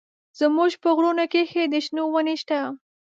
زموږ په غرونو کښې د شنو ونې سته.